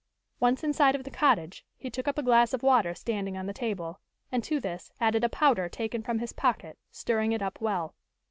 Once inside of the cottage, he took up a glass of water standing on the table, and to this added a powder taken from his pocket, stirring it up well.